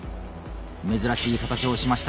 珍しい形をしました